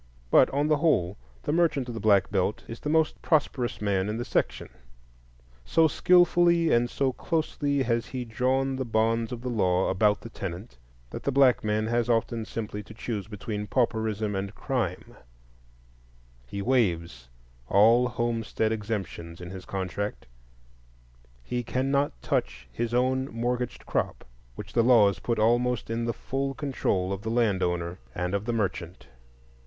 But on the whole the merchant of the Black Belt is the most prosperous man in the section. So skilfully and so closely has he drawn the bonds of the law about the tenant, that the black man has often simply to choose between pauperism and crime; he "waives" all homestead exemptions in his contract; he cannot touch his own mortgaged crop, which the laws put almost in the full control of the land owner and of the merchant.